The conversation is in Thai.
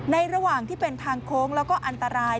ระหว่างที่เป็นทางโค้งแล้วก็อันตราย